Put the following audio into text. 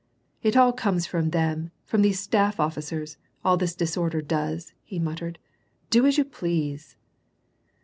'' It aU comes from them, from these staff officers, all this disorder does," he muttered. " Do as you please."